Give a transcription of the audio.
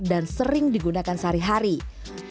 dan sering digunakan saat saat sisanya